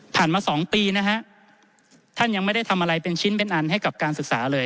มา๒ปีนะฮะท่านยังไม่ได้ทำอะไรเป็นชิ้นเป็นอันให้กับการศึกษาเลย